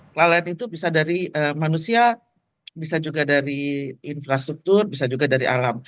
kelalaian itu bisa dari manusia bisa juga dari infrastruktur bisa juga dari alam